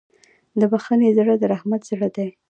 د بښنې زړه د رحمت زړه دی.